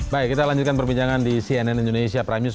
baik kita lanjutkan perbincangan di cnn indonesia prime news